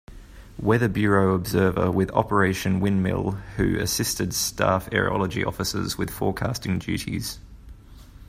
Weather Bureau observer with Operation Windmill who assisted staff aerology officers with forecasting duties.